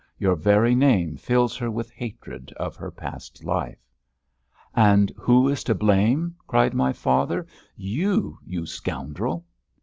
Your very name fills her with hatred of her past life." "And who is to blame?" cried my father. "You, you scoundrel!"